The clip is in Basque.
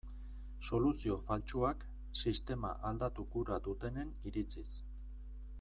Soluzio faltsuak, sistema aldatu gura dutenen iritziz.